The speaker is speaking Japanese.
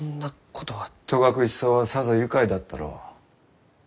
戸隠草はさぞ愉快だったろう？